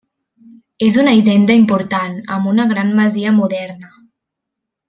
És una hisenda important amb una gran masia moderna.